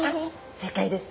正解です。